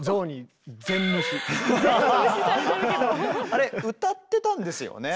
あれ歌ってたんですよね？